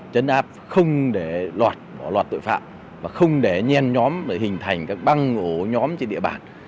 chấn áp không để lọt bỏ loạt tội phạm và không để nhen nhóm để hình thành các băng ổ nhóm trên địa bàn